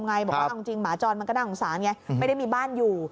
ครับม้าจรมันก็น่าขอสารไม่ได้มีบ้านอยู่